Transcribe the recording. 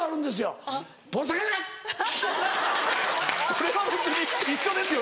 それは別に一緒ですよ